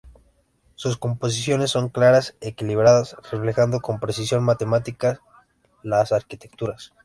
Sus composiciones son claras, equilibradas, reflejando con precisión matemática las arquitecturas.